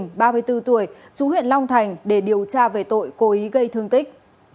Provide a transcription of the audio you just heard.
thái xuân bình ba mươi bốn tuổi trung huyện long thành để điều tra về tội cô ý gây thương tích